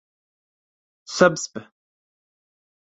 Subsp.